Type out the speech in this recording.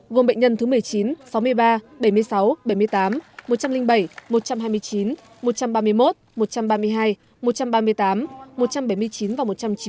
gồm bệnh nhân thứ một mươi chín sáu mươi ba bảy mươi sáu bảy mươi tám một trăm linh bảy một trăm hai mươi chín một trăm ba mươi một một trăm ba mươi hai một trăm ba mươi tám một trăm bảy mươi chín và một trăm chín mươi